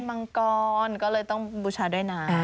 มังกรก็เลยต้องบูชาด้วยนะ